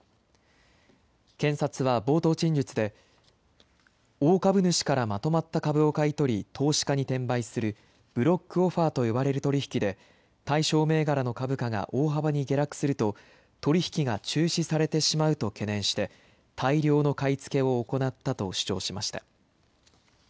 検察は冒頭陳述で、大株主からまとまった株を買い取り、投資家に転売する、ブロックオファーと呼ばれる取り引きで、対象銘柄の株価が大幅に下落すると、取り引きが中止されてしまうと懸念して、大量の買い付けを行ったと主張しました。